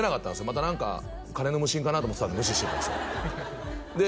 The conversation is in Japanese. また何か金の無心かなと思ってたんで無視してたんすよで